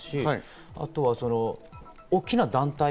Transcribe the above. あと大きな団体。